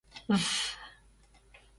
Ввв...